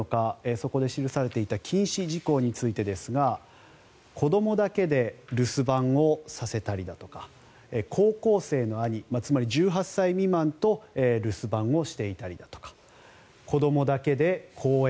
そこで記されていた禁止事項についてですが子どもだけで留守番をさせたりだとか高校生の兄、つまり１８歳未満と留守番をしていたりだとか子どもだけで公園